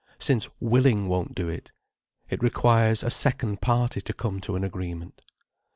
Since willing won't do it. It requires a second party to come to an agreement.